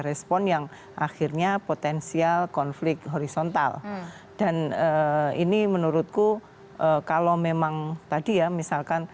respon yang akhirnya potensial konflik horizontal dan ini menurutku kalau memang tadi ya misalkan